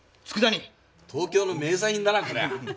東京の名産品だなこりゃあ！